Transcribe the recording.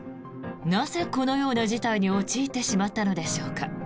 なぜこのような事態に陥ってしまったのでしょうか。